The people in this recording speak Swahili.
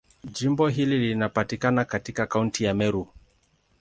Jimbo hili linapatikana katika Kaunti ya Meru.